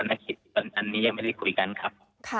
อันนี้ยังไม่ได้คุยกันครับ